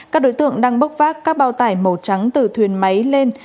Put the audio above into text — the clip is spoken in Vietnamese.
các đối tượng đang bốc vác các bao tải màu trắng từ thuyền máy lên